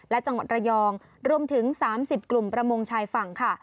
และจังหวัดระยองรวมถึง๓๐กลุ่มประมงชายฝั่งค่ะ